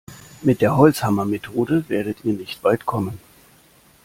Mit der Holzhammermethode werdet ihr nicht weit kommen.